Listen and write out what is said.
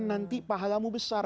nanti pahalamu besar